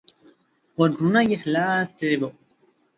غوږونه یې خلاص کړي وو.